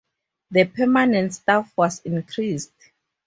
The permanent staff was increased.